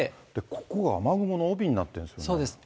ここが雨雲の帯になってるんですね。